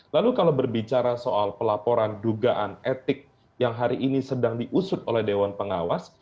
lalu kalau berbicara soal pelaporan dugaan etik yang hari ini sedang diusut oleh dewan pengawas